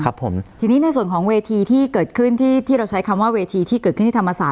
ครับผมทีนี้ในส่วนของเวทีที่เกิดขึ้นที่ที่เราใช้คำว่าเวทีที่เกิดขึ้นที่ธรรมศาส